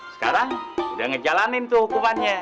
sekarang sudah ngejalanin tuh hukumannya